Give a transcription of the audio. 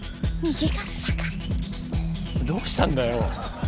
どうしたんだよ？